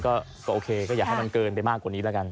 ก็โอเคก็อยากให้มันเกินไปมากกว่านี้แล้วกัน